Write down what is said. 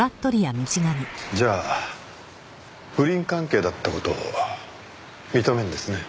じゃあ不倫関係だった事を認めるんですね？